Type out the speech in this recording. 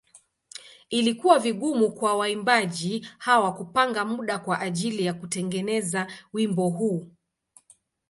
Ilikuwa vigumu kwa waimbaji hawa kupanga muda kwa ajili ya kutengeneza wimbo huu.